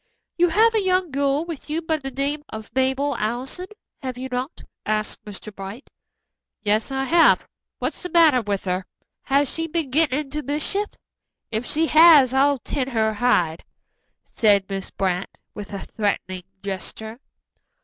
"You have a young girl with you by the name of Mabel Allison, have you not?" asked Mr. Bright. "Yes, I have. What's the matter with her? Has she been gettin' into mischief? If she has, I'll tan her hide," said Miss Brant, with a threatening gesture.